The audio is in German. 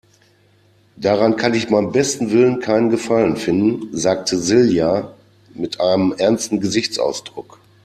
Daran kann ich beim besten Willen keinen Gefallen finden, sagte Silja mit einem ernsten Gesichtsausdruck.